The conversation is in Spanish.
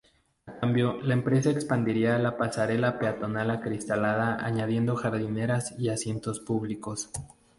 A cambio, la empresa expandiría la pasarela peatonal acristalada añadiendo jardineras y asientos públicos.